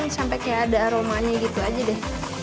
sampai kayak ada aromanya gitu aja deh